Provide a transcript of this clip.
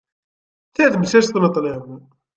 Tademcact n ṭlam.